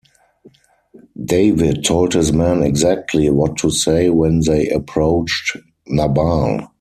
David told his men exactly what to say when they approached Nabal.